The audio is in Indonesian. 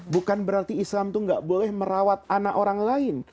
bukan berarti islam itu nggak boleh merawat anak orang lain